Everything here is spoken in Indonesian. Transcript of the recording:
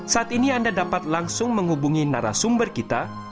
saat ini anda dapat langsung menghubungi narasumber kita